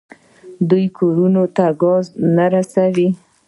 آیا دوی کورونو ته ګاز نه رسوي؟